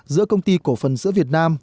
giữa công ty cổ phần sữa việt nam